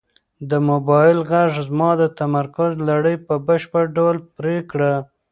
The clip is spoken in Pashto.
د موبایل غږ زما د تمرکز لړۍ په بشپړ ډول پرې کړه.